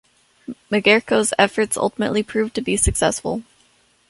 Magerko's efforts ultimately proved to be successful.